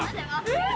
えっ！